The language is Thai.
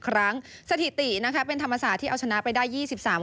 ครั้งสถิตินะคะเป็นธรรมศาสตร์ที่เอาชนะไปได้๒๓คน